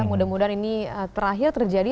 mudah mudahan ini terakhir terjadi